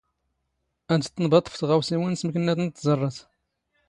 ⴰⴷ ⵜⵜⵏⴱⴰⴹⴷ ⵖⴼ ⵜⵖⴰⵡⵙⵉⵡⵉⵏ ⵙ ⵎⴽⵏⵏⴰ ⵜⵏ ⵜⵥⵕⵕⴰⴷ.